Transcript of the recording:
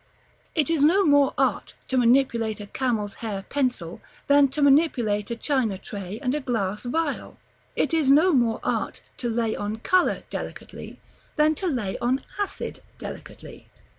It is no more art to manipulate a camel's hair pencil, than to manipulate a china tray and a glass vial. It is no more art to lay on color delicately, than to lay on acid delicately.